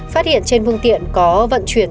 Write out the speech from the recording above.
phát hiện trên phương tiện có vận chuyển